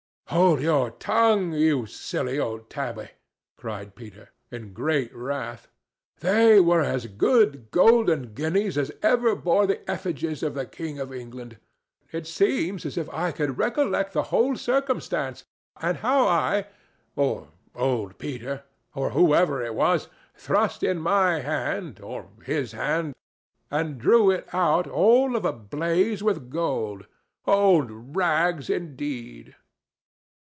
"Hold your tongue, you silly old Tabby!" cried Peter, in great wrath. "They were as good golden guineas as ever bore the effigies of the king of England. It seems as if I could recollect the whole circumstance, and how I, or old Peter, or whoever it was, thrust in my hand, or his hand, and drew it out all of a blaze with gold. Old rags indeed!"